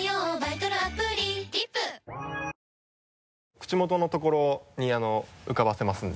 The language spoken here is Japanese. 口元のところに浮かばせますので。